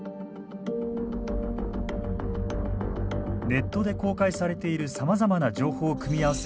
ネットで公開されているさまざまな情報を組み合わせ